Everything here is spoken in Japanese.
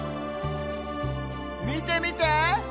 みてみて！